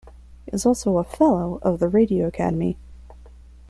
He is also a Fellow of The Radio Academy.